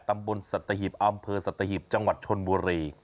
ตำบลสัตหิบอำเภอสัตหิบจังหวัดชนบุรี